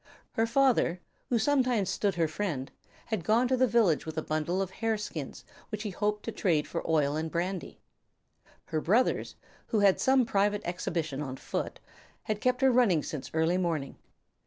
Her father, who sometimes stood her friend, had gone to the village with a bundle of hare skins which he hoped to trade for oil and brandy. Her brothers, who had some private expedition on foot, had kept her running since early morning.